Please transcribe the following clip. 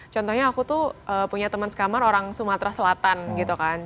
contohnya aku tuh punya teman sekamar orang sumatera selatan gitu kan